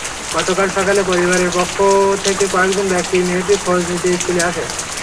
গতকাল সকালে পরিবারের পক্ষ থেকে কয়েকজন ব্যক্তি মেয়েটির খোঁজ নিতে স্কুলে আসে।